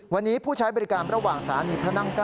วันนี้ผู้ใช้บริการระหว่างสถานีพระนั่ง๙